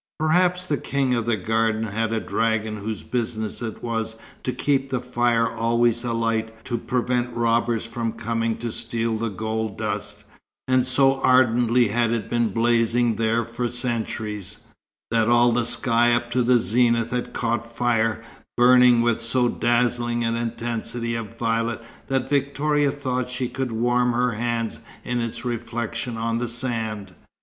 Perhaps the king of the garden had a dragon whose business it was to keep the fire always alight to prevent robbers from coming to steal the gold dust; and so ardently had it been blazing there for centuries, that all the sky up to the zenith had caught fire, burning with so dazzling an intensity of violet that Victoria thought she could warm her hands in its reflection on the sand.